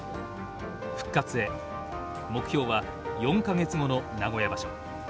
復活へ目標は４か月後の名古屋場所。